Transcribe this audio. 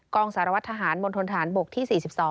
องสารวัตรทหารมณฑนฐานบกที่๔๒